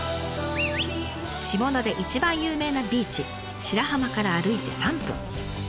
下田で一番有名なビーチ白浜から歩いて３分。